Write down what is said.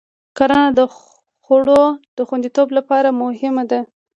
کرنه د خوړو د خوندیتوب لپاره مهمه ده.